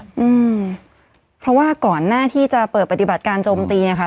อืมเพราะว่าก่อนหน้าที่จะเปิดปฏิบัติการโจมตีเนี้ยค่ะ